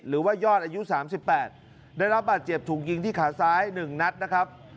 หรือว่ายอดอายุ๓๘ได้รับบาดเจ็บถูกยิงที่ขาซ้าย๑นัดนะครับ